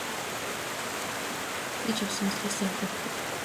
Өдий хүртэл итгэж явсан үзлээсээ ухрах уу?